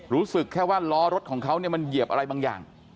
รู้สึกแค่ว่าล้อรถของเขาเนี่ยมันเหยียบอะไรบางอย่าง